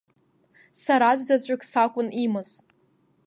Сараӡә-заҵәык сакәын имаз.